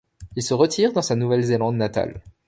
Il se retire dans sa Nouvelle-Zélande natale.